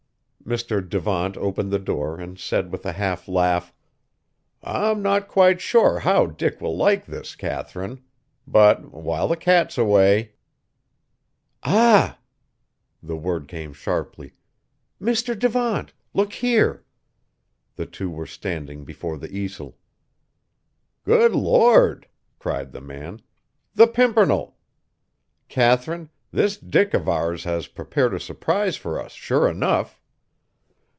Mr. Devant opened the door and said with a half laugh, "I'm not quite sure how Dick will like this, Katharine. But while the cat's away " "Ah!" The word came sharply. "Mr. Devant, look here!" The two were standing before the easel. "Good Lord!" cried the man. "The Pimpernel! Katharine, this Dick of ours has prepared a surprise for us sure enough!"